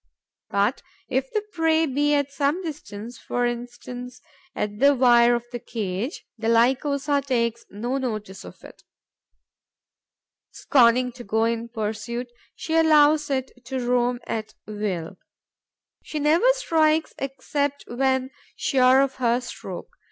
But, if the prey be at some distance, for instance on the wire of the cage, the Lycosa takes no notice of it. Scorning to go in pursuit, she allows it to roam at will. She never strikes except when sure of her stroke.